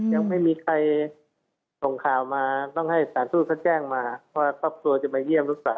ยังไม่มีใครส่งข่าวมาต้องให้สารทูตเขาแจ้งมาว่าครอบครัวจะไปเยี่ยมหรือเปล่า